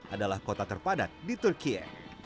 adalah kota terpadat di turkiye